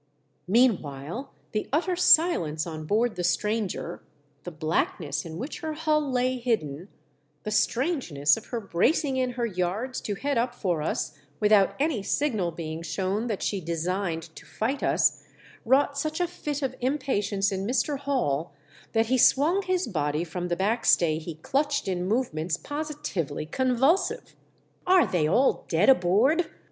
Meanwhile, the utter silence on board the stranger, the blackness in which her hull lay hidden, the strangeness of her bracing in her yards to head up for us without any signal being shown that she designed to fight us, wrought such a fit of impatience in Mr, Hall, that he swung his body from the backstay he clutched in movements positively convulsive. " Are they all dead aboard